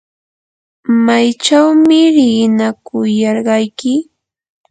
¿maychawmi riqinakuyarqayki?